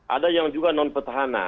ada yang juga non petahana